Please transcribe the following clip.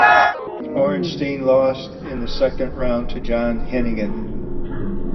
Orenstein lost in the second round to John Hennigan.